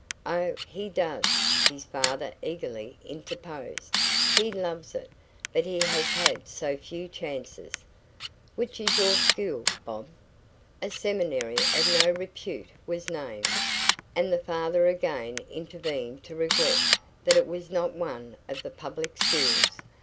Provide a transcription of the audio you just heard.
"Oh, he does," his father eagerly interposed. "He loves it. But he has had so few chances " "Which is your school, Bob?" A seminary of no repute was named, and the father again intervened to regret that it was not one of the public schools.